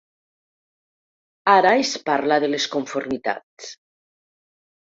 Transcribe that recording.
Ara es parla de les conformitats.